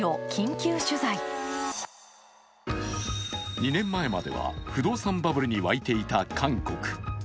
２年前までは不動産バブルに沸いていた韓国。